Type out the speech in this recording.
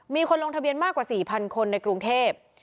มีคนลงทะเบียนมากกว่า๔๐๐คนในกรุงเทพ